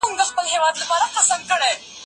موږ به سبا په دې علمي موضوع بحث وکړو.